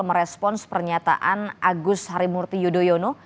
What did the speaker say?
merespons pernyataan agus harimurti yudhoyono